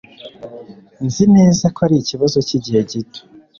Nzi neza ko ari ikibazo cyigihe gito